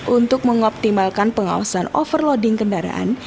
untuk mengoptimalkan pengawasan overloading kendaraan